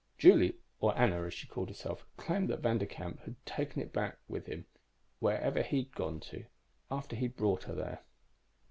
Julie or Anna, as she called herself claimed that Vanderkamp had taken it back with him, wherever he'd gone to, after he'd brought her there."